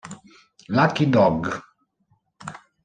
Lucky Dog